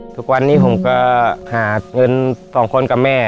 ทุกวันนี้ผมก็หาเงิน๒คนกับแม่